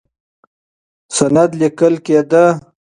سند لیکل کېده.